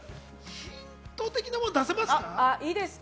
ヒント的なもの出せますか？